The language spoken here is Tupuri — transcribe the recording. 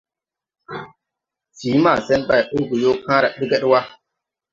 Fii masen bày ɔɔge yoo kããra deged wa.